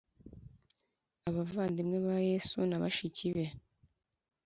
Abavandimwe ba yesu na bashiki be